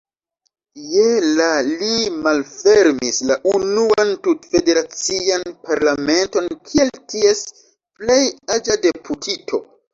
Je la li malfermis la unuan tut-federacian parlamenton kiel ties plej-aĝa deputito.